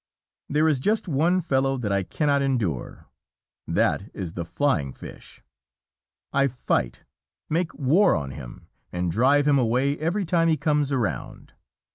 There is just one fellow that I cannot endure. That is the flying fish. I fight, make war on him, and drive him away every time he comes around.